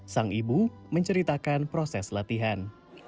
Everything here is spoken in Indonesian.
sang ibu menceritakan proses latihan